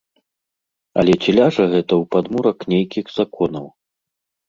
Але ці ляжа гэта ў падмурак нейкіх законаў?